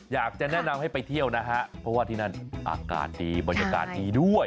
อยากจะแนะนำให้ไปเที่ยวนะฮะเพราะว่าที่นั่นอากาศดีบรรยากาศดีด้วย